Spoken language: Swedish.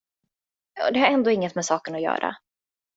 Och det har ändå inget med saken att göra.